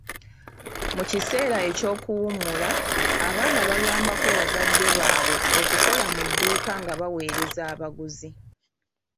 Mu kiseera eky'oluwummula, abaana bayambako bazadde baabwe okukola mu dduuka nga baweereza abaguzi.